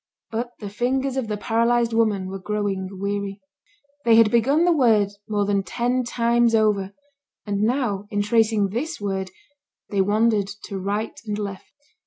But the fingers of the paralysed woman were growing weary. They had begun the word more than ten times over, and now, in tracing this word, they wandered to right and left.